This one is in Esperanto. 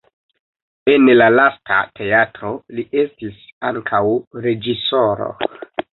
En la lasta teatro li estis ankaŭ reĝisoro.